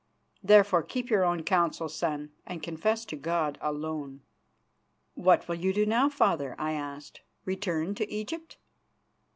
Therefore, keep your own counsel, son, and confess to God alone." "What will you do now, Father?" I asked. "Return to Egypt?"